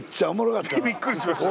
びっくりしました。